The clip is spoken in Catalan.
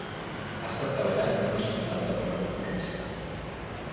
Ha estat treballant en un hospital de la República Txeca.